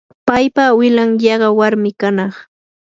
paypa awilan yaqa warmi kanaq.